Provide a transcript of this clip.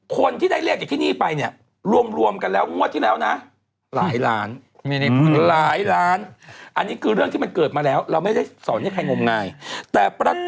คนที่ได้เลขจากที่นี่ไปเนี่ยรวมกันแล้วงวดที่แล้วนะ